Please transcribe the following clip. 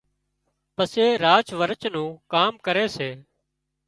پسي راچ ورچ نُون ڪام ڪري سي